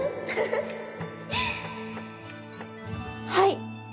はい！